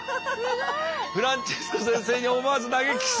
フランチェスコ先生に思わず投げキス。